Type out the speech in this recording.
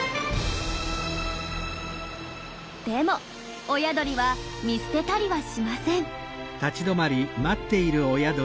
でも親鳥は見捨てたりはしません。